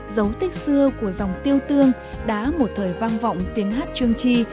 dấu tích xưa của dòng tiêu tương đã một thời vang vọng tiếng hát trương chi